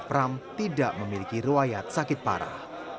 pram tidak memiliki riwayat sakit parah